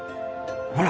ほら！